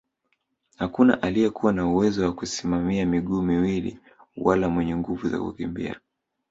Hakuna aliyekuwa na uwezo wa kusimamia miguu miwili wala mwenye nguvu za kukimbia